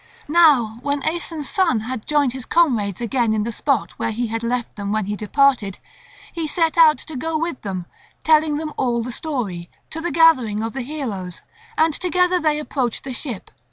Now when Aeson's son had joined his comrades again in the spot where he had left them when he departed, he set out to go with them, telling them all the story, to the gathering of the heroes; and together they approached the ship.